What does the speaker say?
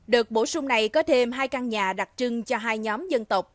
đợt bổ sung này có thêm hai căn nhà đặc trưng cho hai nhóm dân tộc